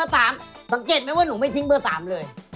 แต่ว่าหนูก็แกล้งบอกว่าเฮ่ย